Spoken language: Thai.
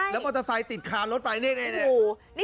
แล้วมอเตอร์ไซค์ติดคารถไปนี่